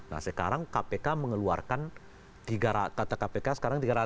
nah sekarang kpk mengeluarkan kata kpk sekarang tiga ratus